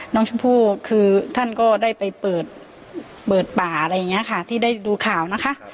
น้องชมพู่คือท่านก็ได้ไปเปิดป่าอะไรอย่างนี้ค่ะที่ได้ดูข่าวนะคะ